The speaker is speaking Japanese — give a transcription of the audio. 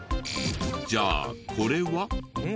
じゃあこれは？